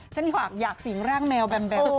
ฉันอยากสิงร่างแมวแบม